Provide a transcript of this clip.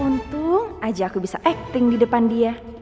untung aja aku bisa acting di depan dia